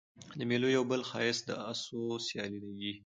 د مېلو یو بل ښایست د آسو سیالي يي.